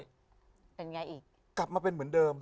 เป็นไงอีกกลับมาเป็นเหมือนเดิม